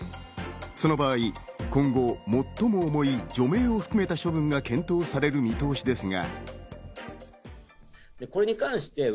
その場合、今後、最も重い除名を含めた処分が検討される見通しですが。